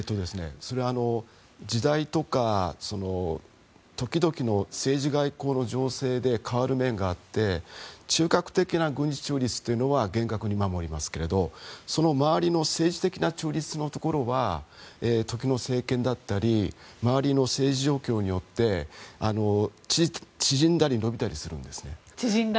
それは時代とか時々の政治・外交の情勢で変わる面があって中核的な軍事中立というのは厳格に守りますけれどその周りの政治的な中立のところは時の政権だったり周りの政治状況によって縮んだり伸びたりするんですね。